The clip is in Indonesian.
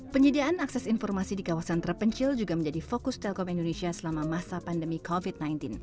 penyediaan akses informasi di kawasan terpencil juga menjadi fokus telkom indonesia selama masa pandemi covid sembilan belas